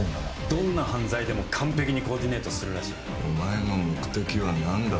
どんな犯罪でも完璧にコーディネートするらしいお前の目的は何だ？